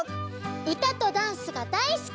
うたとダンスがだいすき！